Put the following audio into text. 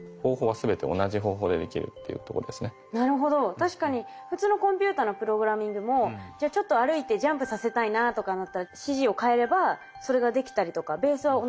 確かに普通のコンピューターのプログラミングもじゃあちょっと歩いてジャンプさせたいなとかになったら指示を変えればそれができたりとかベースは同じでできますもんね。